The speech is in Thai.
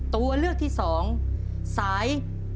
ตัวเลือกที่๒สาย